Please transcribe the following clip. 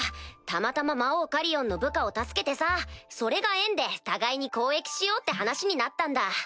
たまたま魔王カリオンの部下を助けてさそれが縁で互いに交易しようって話になったんだ。